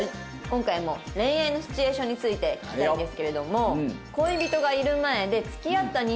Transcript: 今回も恋愛のシチュエーションについて聞きたいんですけれども。